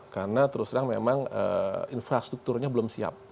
karena terus terang memang infrastrukturnya belum siap